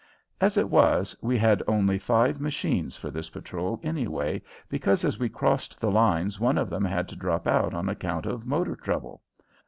As it was, we had only five machines for this patrol, anyway, because as we crossed the lines one of them had to drop out on account of motor trouble.